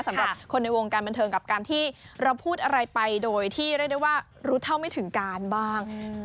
สำหรับคนในวงการบันเทิงกับการที่เราพูดอะไรไปโดยที่เรียกได้ว่ารู้เท่าไม่ถึงการบ้าง